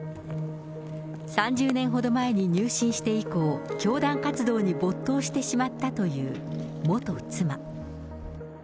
３０年ほど前に入信して以降、教団活動に没頭してしまったという元妻。